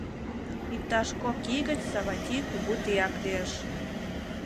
Иктаж кок ий гыч Саватий кугу тияк лиеш.